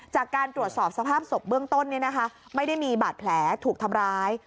จากการตรวจสอบสภาพศพเบื้องต้นไม่ได้มีบาดแผลถูกทำร้าย